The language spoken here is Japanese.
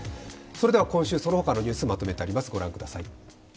今週、そのほかのニュース、まとめてあります。